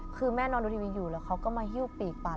คือแม่นอนดูทีวีอยู่แล้วเขาก็มาหิ้วปีกปาก